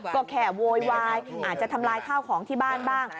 ก็แค่โวยวายอาจจะทำลายข้าวของที่บ้านบ้าง